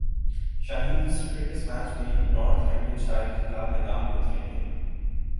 شاہین دوسرے practice match میں Northamptonshire کیخلاف میدان میں اتریں گے